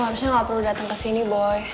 kamu harusnya gak perlu dateng kesini boy